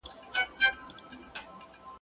سپوږمۍ مو لاري څاري پیغامونه تښتوي.